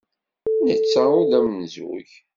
Netta ur d amenzug.